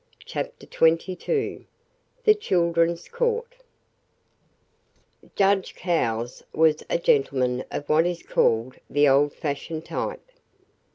CHAPTER XXII THE CHILDREN'S COURT Judge Cowles was a gentleman of what is called the "old fashioned" type.